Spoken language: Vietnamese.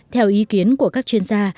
theo ý kiến của các chuyên gia